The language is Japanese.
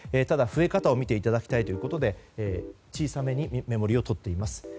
ただ、増え方を見ていただきたいということで小さめに目盛りをとっています。